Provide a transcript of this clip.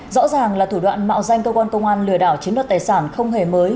rõ ràng là thủ đoạn mạo danh cơ quan công an lừa đảo chiếm đoạt tài sản không hề mới